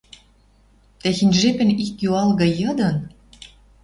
Техень жепӹн ик юалгы йыдын